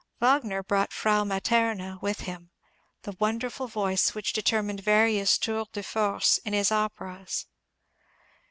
Wagner brought Frau Matema with him, — the wonderful voice which determined various tours de force in his operas.